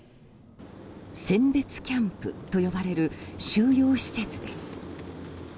選別キャンプと呼ばれる収容施設です。